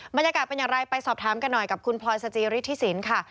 บรรยากาศเป็นอย่างไรไปสอบถามกันหน่อยกับคุณพลอยสจิฤทธิสินค่ะ